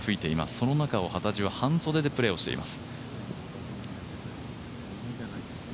その中を幡地は半袖でプレーしています。